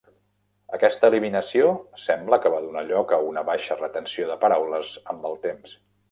Aquesta eliminació sembla que va donar lloc a una baixa retenció de paraules amb el temps.